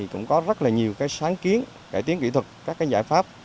cũng có rất là nhiều sáng kiến cải tiến kỹ thuật các giải pháp